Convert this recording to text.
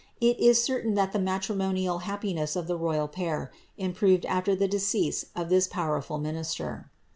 It > certain that the matrimonial happiness of the royal pair improved after :he decease of this powerful minister.